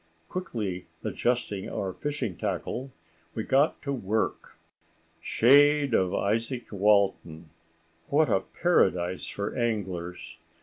Quickly adjusting our fishing tackle, we got to work. Shade of Izaak Walton! what a paradise for anglers!